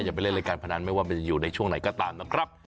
ไปเล่นรายการพนันไม่ว่ามันจะอยู่ในช่วงไหนก็ตามนะครับ